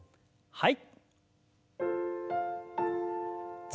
はい。